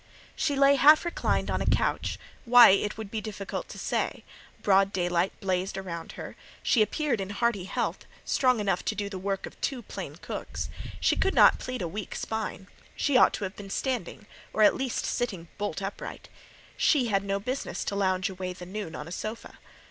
She lay half reclined on a couch: why, it would be difficult to say; broad daylight blazed round her; she appeared in hearty health, strong enough to do the work of two plain cooks; she could not plead a weak spine; she ought to have been standing, or at least sitting bolt upright. She, had no business to lounge away the noon on a sofa.